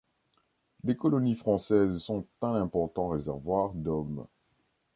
Les colonies françaises sont un important réservoir d'hommes.